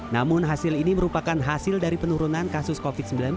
namun hasil ini merupakan hasil dari penurunan kasus covid sembilan belas